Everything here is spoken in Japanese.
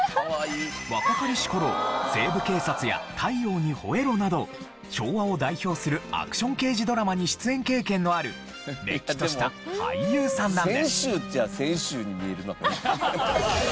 若かりし頃『西部警察』や『太陽にほえろ！』など昭和を代表するアクション刑事ドラマに出演経験のあるれっきとした俳優さんなんです。